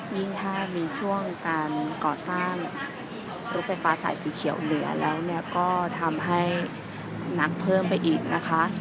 ยิ่งถ้ามีช่วงการก่อสร้างรถไฟฟ้าสายสีเขียวเหลือแล้วเนี่ยก็ทำให้หนักเพิ่มไปอีกนะคะ